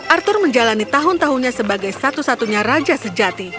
arthur menjalani tahun tahunnya sebagai satu satunya raja sejati